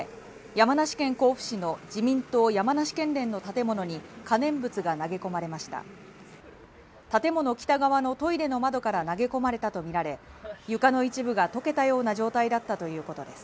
山梨県甲府市の自民党山梨県連の建物に可燃物が投げ込まれました建物北側のトイレの窓から投げ込まれたとみられ床の一部が溶けたような状態だったということです